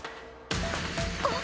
あっ！